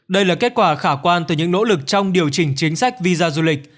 đây là kết quả khả quan từ những nỗ lực trong điều chỉnh chính sách visa du lịch